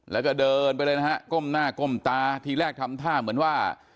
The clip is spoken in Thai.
แล้วก็เดินไปเลยนะฮะก้มหน้าก้มตาทีแรกทำท่าเหมือนว่า